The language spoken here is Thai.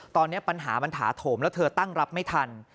ตอนนี้ปัญหามันถาโถมแล้วเธอตั้งรับไม่ทัน